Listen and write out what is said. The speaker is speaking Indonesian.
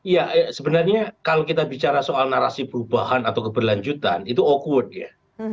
ya sebenarnya kalau kita bicara soal narasi perubahan atau keberlanjutan itu awquote ya